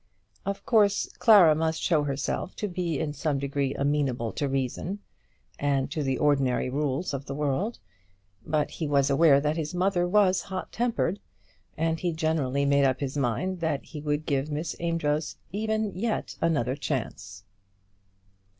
Of course Clara must show herself to be in some degree amenable to reason and to the ordinary rules of the world; but he was aware that his mother was hot tempered, and he generously made up his mind that he would give Miss Amedroz even yet another chance.